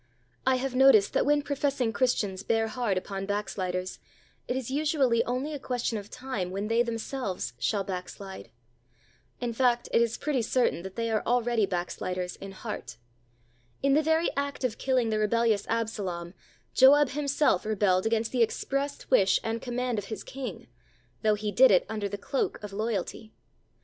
I have noticed that when professing Christians bear hard upon back sliders it is usually only a question of time when they themselves shall backslide. In fact, it is pretty certain that they are already DEAL GENTLY. 151 backsliders in heart. In the very act of killing the rebellious Absalom Joab himself rebelled against the expressed wish and command of his king, though he did it under the cloak of loyalty.